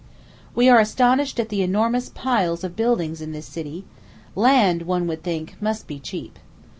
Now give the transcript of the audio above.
We are astonished at the enormous piles of buildings in this city; land, one would think, must be cheap.